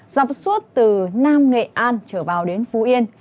dọc suốt từ nam nghệ an trở vào đến phú yên